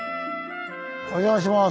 お邪魔します。